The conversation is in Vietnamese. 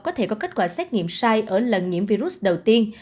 có thể có kết quả xét nghiệm sai ở lần nhiễm virus đầu tiên